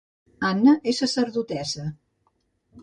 Anna és sacerdotessa